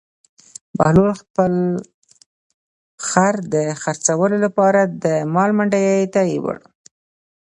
بهلول خپل خر د خرڅولو لپاره د مال منډي ته یووړ.